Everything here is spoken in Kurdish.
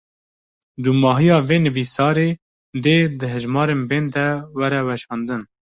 Dûmahiya vê nivîsarê, dê di hejmarên bên de were weşandin